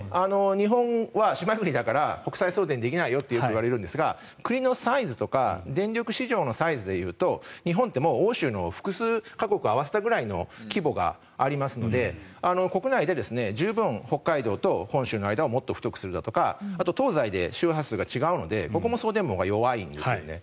日本は島国だから国際送電できないよとよく言われるんですが国のサイズとか電力市場のサイズで言うと日本って欧州の複数か国を合わせたくらいの規模がありますので国内で十分、北海道と本州の間をもっと太くするだとか東西で周波数が違うのでここも送電網が弱いんですね。